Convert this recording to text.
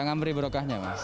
ya ngambri berokahnya mas